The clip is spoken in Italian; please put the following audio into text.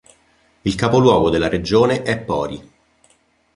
Il capoluogo della regione è Pori.